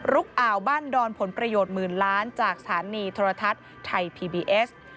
อ่าวบ้านดอนผลประโยชน์หมื่นล้านจากสถานีโทรทัศน์ไทยพีบีเอส